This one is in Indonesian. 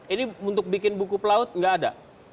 ini untuk bikin buku pelaut nggak ada